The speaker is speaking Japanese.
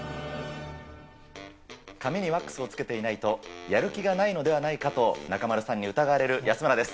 髪にワックスをつけていないと、やる気がないのではないかなと中丸さんに疑われる安村です。